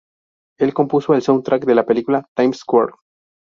Él compuso el soundtrack de la película, "Times Square".